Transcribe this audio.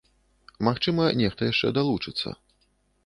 Магчыма, нехта яшчэ далучыцца.